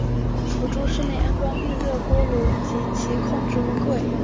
辅助室内安装预热锅炉及其控制柜。